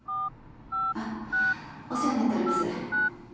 あっお世話になっております。